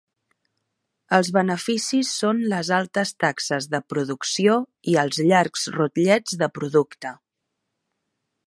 Els beneficis són les altes taxes de producció i els llargs rotllets de producte.